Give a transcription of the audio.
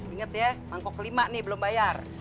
ingat ya mangkok lima nih belum bayar